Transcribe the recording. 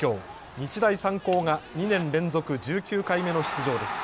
日大三高が２年連続１９回目の出場です。